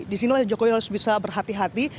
di sini jokowi harus bisa berhati hati